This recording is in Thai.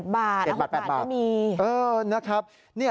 ๗บาท๖บาทก็มี